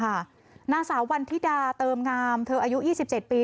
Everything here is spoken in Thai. นางสาววันธิดาเติมงามเธออายุ๒๗ปี